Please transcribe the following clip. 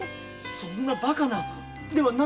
そんなバカな。